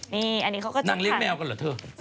นี่อันนี้เขาก็จับค่ะ